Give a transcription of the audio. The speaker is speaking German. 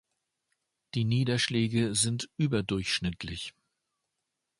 Die Niederschläge sind überdurchschnittlich.